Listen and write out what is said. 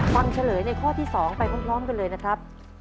เฉลยในข้อที่๒ไปพร้อมกันเลยนะครับ